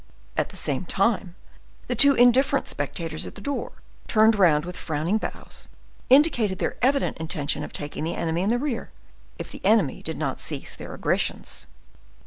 At the same time, the two indifferent spectators at the door turned round with frowning bows, indicating their evident intention of taking the enemy in the rear, if the enemy did not cease their aggressions.